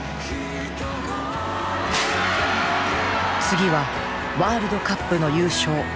次はワールドカップの優勝